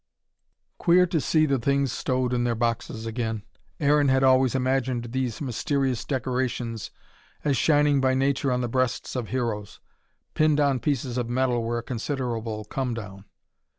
Queer to see the things stowed in their boxes again. Aaron had always imagined these mysterious decorations as shining by nature on the breasts of heroes. Pinned on pieces of metal were a considerable come down.